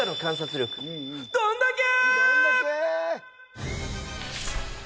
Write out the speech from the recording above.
どんだけ！